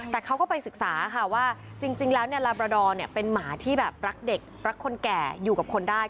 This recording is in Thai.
แต่เขาก็ไปศึกษาค่ะว่าจริงแล้วลาบราดอร์เป็นหมาที่แบบรักเด็กรักคนแก่อยู่กับคนได้